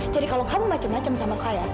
jadi kalau kamu macem macem sama saya